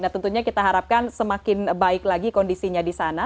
nah tentunya kita harapkan semakin baik lagi kondisinya di sana